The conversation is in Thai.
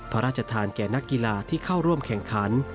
พระราชทานแก่นักกีฬาที่เข้าร่วมแข่งขัน